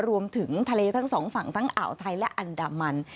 รวมถึงทะเลทั้งสองฝั่งทั้งอ่าวไทยและอันดามัน